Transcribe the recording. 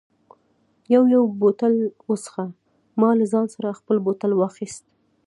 یو یو بوتل و څښه، ما له ځان سره خپل بوتل واخیست.